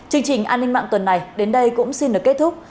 chương trình an ninh mạng tuần này đến đây cũng xin được kết thúc